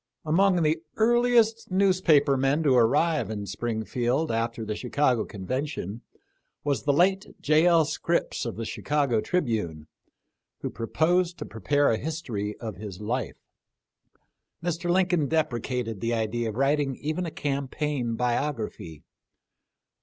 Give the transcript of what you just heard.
Among the earliest newspaper men to arrive in Springfield after the Chicago convention was the late J. L. Scripps of the Chicago Tribune, who pro posed to prepare a history of his life. Mr. Lincoln deprecated the idea of writing even a campaign biography.